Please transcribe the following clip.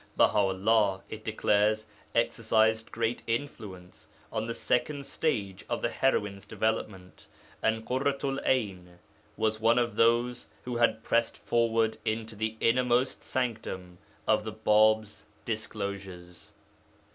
Baha 'ullah, it declares, exercised great influence on the second stage of the heroine's development, and Ḳurratu'l 'Ayn was one of those who had pressed forward into the innermost sanctum of the Bāb's disclosures.